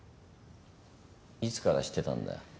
いつから知ってたんだよ？